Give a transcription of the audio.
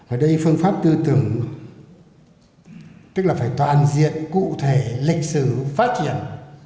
ở đây phương pháp tư tưởng tức là phải toàn diện cụ thể lịch sử phát triển